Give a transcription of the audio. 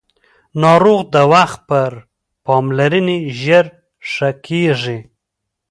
ناروغ د وخت پر پاملرنې ژر ښه کېږي